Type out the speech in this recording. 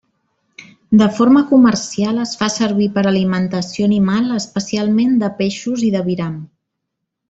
De forma comercial es fa servir per alimentació animal especialment de peixos i d'aviram.